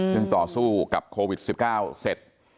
ซึ่งต่อสู้กับโควิด๑๙เสร็จ